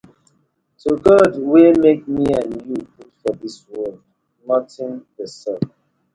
To God wey mak mi and you put for dis world, notin dey sup.